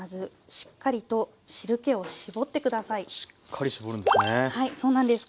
しっかり絞るんですね。